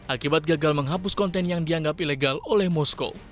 akibat gagal menghapus konten yang dianggap ilegal oleh moskow